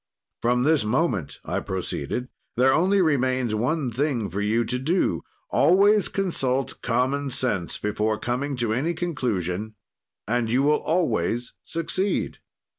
"'From this moment,' I proceeded, 'there only remains one thing for you to do, always consult common sense before coming to any conclusion, and you will always succeed.